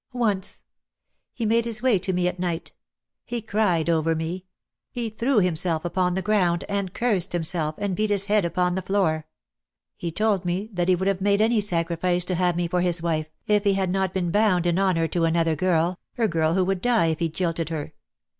"Once. He made his way to me at night. He cried over me. He threw himself upon the ground, and cursed himself, and beat his head upon the floor. He told me that he would have made any sacrifice to have me for his wife, if he had not. been bound in honour to another girl, a girl who would die if he jilted her.